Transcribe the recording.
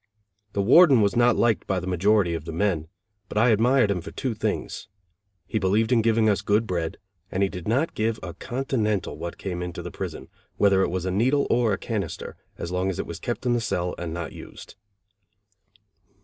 The warden was not liked by the majority of the men, but I admired him for two things. He believed in giving us good bread; and he did not give a continental what came into the prison, whether it was a needle or a cannister, as long as it was kept in the cell and not used.